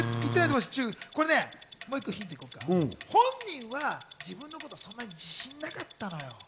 もう１個ヒント行こうか、本人は自分のことそんなに自信なかったのよ。